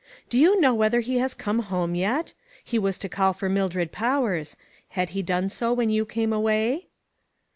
Do you know whether he has come home yet ? He was to call for Mildred Powers. Had he done so when you came away